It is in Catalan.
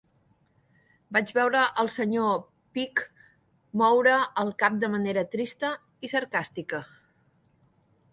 Vaig veure el sr. Pike moure el cap de manera trista i sarcàstica.